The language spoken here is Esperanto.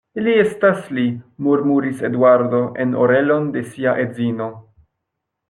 Li estas Li, murmuris Eduardo en orelon de sia edzino.